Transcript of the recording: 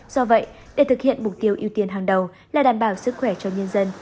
do vậy để thực hiện mục tiêu ưu tiên hàng đầu là đảm bảo sức khỏe cho nhân dân